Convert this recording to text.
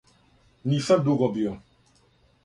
Нисам дуго био.